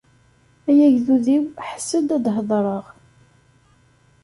Ay agdud-iw, ḥess-d, ad d-hedṛeɣ!